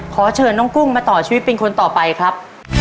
ขอเชิญน้องกุ้งมาต่อชีวิตเป็นคนต่อไปครับ